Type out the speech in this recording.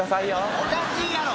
おかしいやろ！